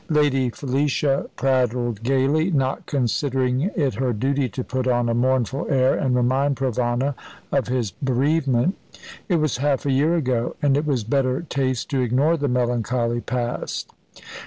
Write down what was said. Lady Felicia prattled gaily, not considering it her duty to put on a mournful air and remind Provana of his bereavement. It was half a year ago and it was better taste to ignore the melancholy past.